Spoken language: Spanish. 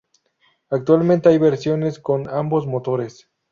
Actualmente hay versiones con ambos motores.